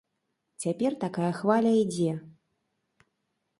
Цяпер такая хваля ідзе.